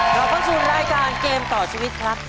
เราประสูจน์รายการเกมต่อชีวิตครับ